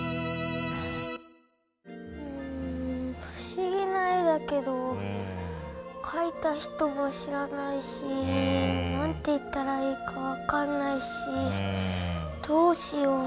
不思議な絵だけどかいた人も知らないし何て言ったらいいか分かんないしどうしよう。